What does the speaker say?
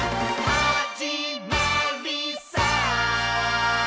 「はじまりさー」